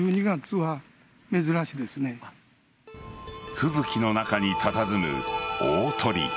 吹雪の中にたたずむ大鳥居。